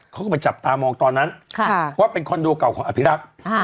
เขาก็ไปจับตามองตอนนั้นว่าเป็นคอนโดเก่าของอภิรักษ์